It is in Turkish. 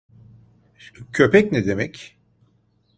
Köpek ne demek?